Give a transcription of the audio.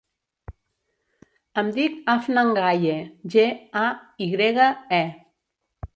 Em dic Afnan Gaye: ge, a, i grega, e.